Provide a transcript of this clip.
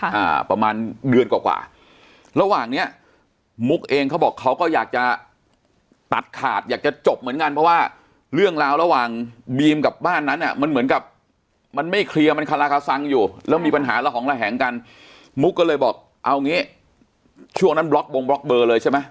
อ่าประมาณเดือนกว่ากว่าระหว่างเนี้ยมุกเองเขาบอกเขาก็อยากจะตัดขาดอยากจะจบเหมือนกันเพราะว่าเรื่องราวระหว่างบีมกับบ้านนั้นอ่ะมันเหมือนกับมันไม่เคลียร์มันคาราคาซังอยู่แล้วมีปัญหาระหองระแหงกันมุกก็เลยบอกเอางี้ช่วงนั้นบล็อกบงบล็อกเบอร์เลยใช่ไหม